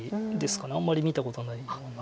あんまり見たことないような。